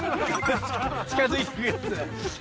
近づいてくやつ？